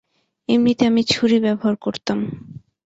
এমনিতে, আমি ছুরি ব্যবহার করতাম।